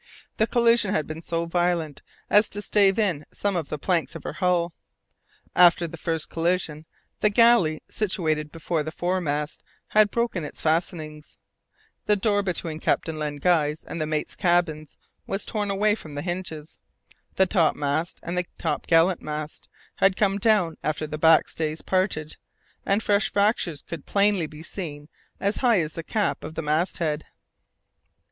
The collision had been so violent as to stave in some of the planks of her hull. After the first collision, the galley situated before the fore mast had broken its fastenings. The door between Captain Len Guy's and the mate's cabins was torn away from the hinges. The topmast and the top gallant mast had come down after the back stays parted, and fresh fractures could plainly be seen as high as the cap of the masthead.